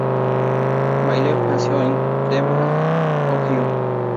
Bailey nació en Cleveland, Ohio.